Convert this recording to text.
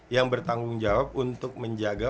yang bertanggung jawab untuk menjaga